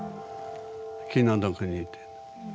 気の毒にって。